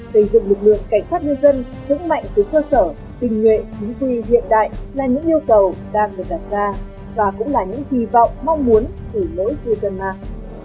xây dựng lực lượng cảnh sát nhân dân hướng mạnh từ cơ sở tình nghệ chính quy hiện đại là những yêu cầu đang được đặt ra và cũng là những kỳ vọng mong muốn của nỗi thiêu gần mạng